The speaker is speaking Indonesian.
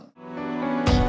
ini lahan yang sudah dijual